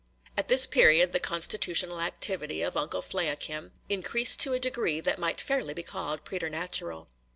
At this period the constitutional activity of Uncle Fliakim increased to a degree that might fairly be called preternatural.